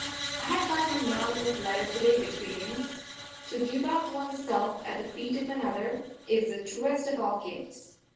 I have got an anonymous letter to day which begins: To give up one's self at the feet of another, is the truest of all gifts.